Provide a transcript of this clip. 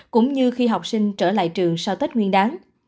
cũng như khi học sinh trở lại trường sau tết nguyên đáng